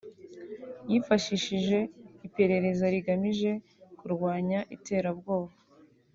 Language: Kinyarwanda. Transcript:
yifashishije iperereza rigamije kurwanya iterabwoba